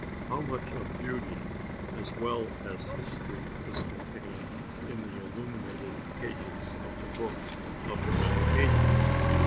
How much of beauty as well as of history is contained in the illuminated pages of the books of the Middle Ages!